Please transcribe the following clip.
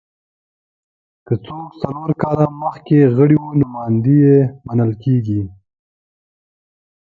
که څوک څلور کاله مخکې غړي وو نوماندي یې منل کېږي